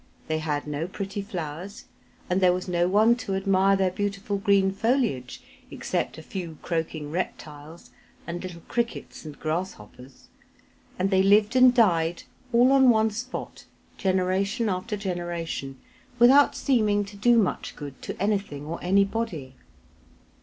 They had no pretty flowers, and there was no one to admire their beautiful green foliage except a few croaking reptiles, and little crickets and grasshoppers; and they lived and died all on one spot, generation after generation, without seeming to do much good to anything or anybody.